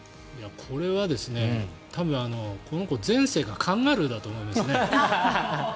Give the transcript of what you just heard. これは多分、この子前世がカンガルーだと思いますね。